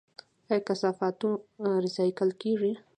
آیا د کثافاتو ریسایکل کیږي؟